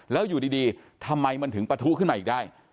แล้วอยู่ดีทำไมมันถึงปะทุขึ้นมาอีกได้